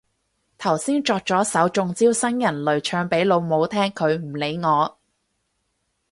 頭先作咗首中招新人類唱俾老母聽，佢唔理我